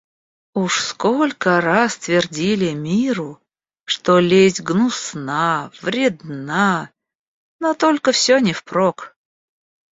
Уж сколько раз твердили миру, что лесть гнусна, вредна; но только всё не впрок